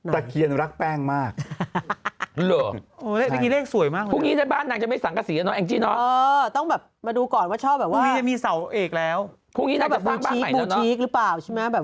ท่านอาจจะชอบแบบโอ้โฮเลขคุณแม่งสวยมาก